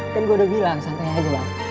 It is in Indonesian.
kan gue udah bilang santai aja bang